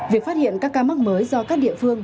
việc phát hiện các ca mắc mới do các địa phương